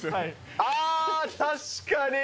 あー、確かに。